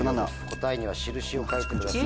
答えには印を書いてください。